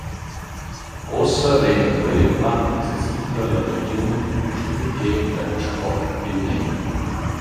Uossa renda quel implant accessibla la regiun impustüt eir pel sport d’inviern.